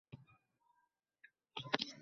Ko’r emasu o’z aybini ko’rmaydi